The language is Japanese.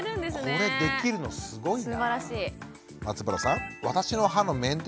これできるのすごいな。